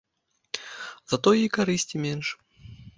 Затое і карысці менш.